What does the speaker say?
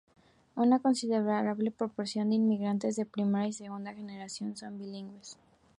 Una considerable proporción de inmigrantes de primera y segunda generación son bilingües.